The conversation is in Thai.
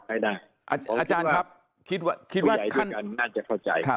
เพราะทุกใหญ่ด้วยกันก็่งน่าจะเข้าใจครับ